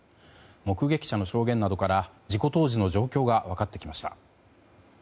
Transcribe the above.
目撃者の証言などから事故当時の状況が分かってきました。